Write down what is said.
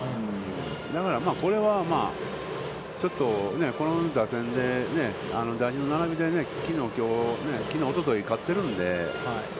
だから、これはちょっとこの打線で、打順の並びで、きのう、おととい、勝ってるんで。